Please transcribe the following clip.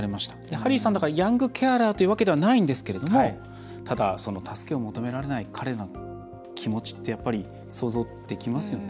ハリーさんは、だからヤングケアラーというわけではないんですけれどもただ、助けを求められない彼らの気持ちってやっぱり想像できますよね？